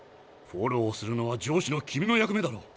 フォローするのは上司の君の役目だろう。